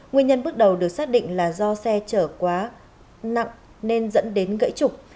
nguyên nhân bước đầu được xác định là do xe chở quá nặng nên dẫn đến gãy trục